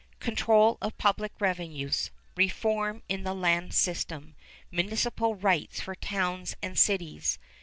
Control of public revenues. Reform in the land system. Municipal rights for towns and cities.